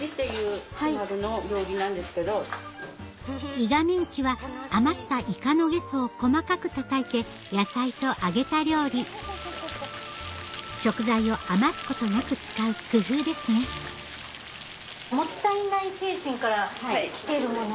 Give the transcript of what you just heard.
イガメンチは余ったイカのゲソを細かくたたいて野菜と揚げた料理食材を余すことなく使う工夫ですねもったいない精神から来てるもの。